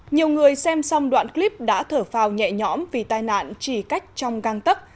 nhiều người xem xong đoạn clip đã thở phào nhẹ nhõm vì tai nạn chỉ cách trong căng tắc